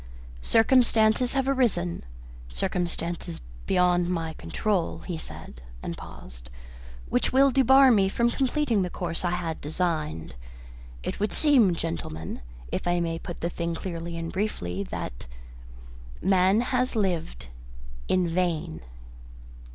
"Circumstances have arisen circumstances beyond my control," he said, and paused, "which will debar me from completing the course I had designed. It would seem, gentlemen, if I may put the thing clearly and briefly, that Man has lived in vain."